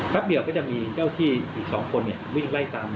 เดียวก็จะมีเจ้าที่อีก๒คนวิ่งไล่ตาม